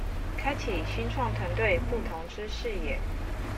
開啟新創團隊不同之視野